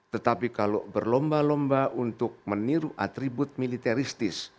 tetapi kalau berlomba lomba untuk meniru atribut militeristis